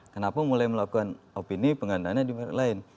kenapa mulai melakukan opini penggalangan dana di wilayah lain